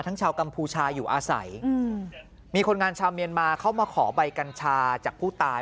ชาวกัมพูชาอยู่อาศัยมีคนงานชาวเมียนมาเข้ามาขอใบกัญชาจากผู้ตาย